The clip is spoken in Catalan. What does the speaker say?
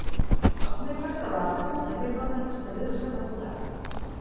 Els membres de l'òrgan també poden abstenir-se de votar.